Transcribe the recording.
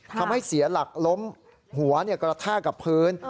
ทำให้เสียหลักล้มหัวกระแทกกับพื้น